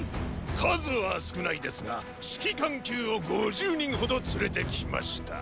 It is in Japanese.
数は少ないですが指揮官級を五十人ほど連れて来ました。